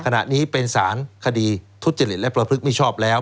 ขณะนี้เป็นสารคดีทุจริตและประพฤติมิชอบแล้ว